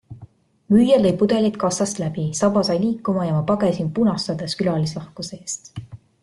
Müüja lõi pudelid kassast läbi, saba sai liikuma ja ma pagesin punastades külalislahkuse eest.